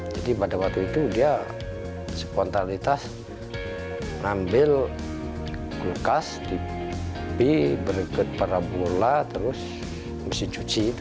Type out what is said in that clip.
jadi pada waktu itu dia spontanitas ambil kulkas di berget para bola terus mesin cuci itu